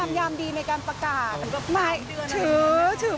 ไม่ได้ในอนาคตมีแน่นอน